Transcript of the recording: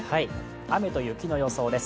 雨と雪の予想です。